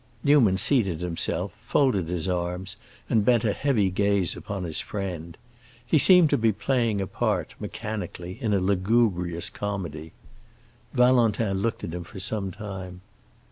Newman seated himself, folded his arms, and bent a heavy gaze upon his friend. He seemed to be playing a part, mechanically, in a lugubrious comedy. Valentin looked at him for some time.